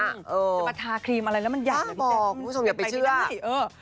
แต่มันทาครีมอะไรแล้วมันใหญ่พี่แจ๊งป้าบอกคุณผู้ชมอย่าไปเชื่อ